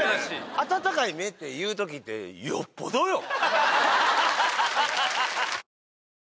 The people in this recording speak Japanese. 「温かい目」って言うときってよっぽどよ？